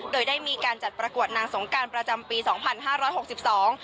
โดยได้มีการจัดประกวดนางสงการประจำปีสองพันห้าร้อยหกสิบสอง